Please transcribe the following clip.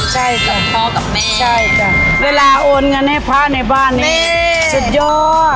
ใช่สองพ่อกับแม่ใช่จ้ะเวลาโอนเงินให้พระในบ้านนี้สุดยอด